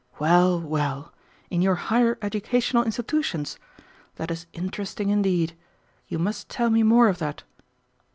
Well! well! In your higher educational institutions! that is interesting indeed. You must tell me more of that."